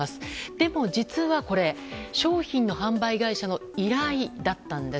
でも、実はこれ商品の販売会社の依頼だったんです。